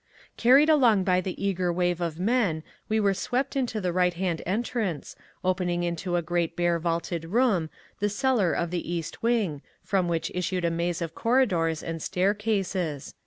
Carried along by the eager wave of men we were swept into the right hand entrance, opening into a great bare vaulted room, the cellar of the East wing, from which issued a maze of corridors and stair cases.